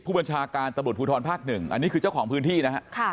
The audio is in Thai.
ผู้บัญชาการตะบุตรภูทรภาคหนึ่งอันนี้คือเจ้าของพื้นที่นะฮะค่ะ